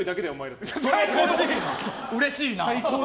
うれしいな。